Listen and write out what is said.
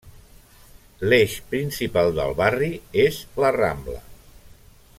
L'eix principal del barri és la Rambla.